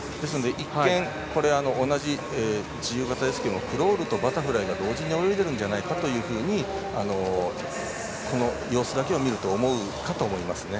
一見、同じ自由形ですがクロールとバタフライを同時に泳いでるんじゃないかというふうにこの様子だけを見ると思うかと思いますね。